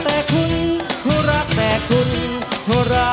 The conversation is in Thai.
แล้วผมส่งแล้วนะฮะ